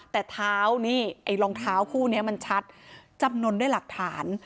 แต่เท้านี่ไอ้รองเท้าคู่นี้มันชัดจำนวนด้วยหลักฐาน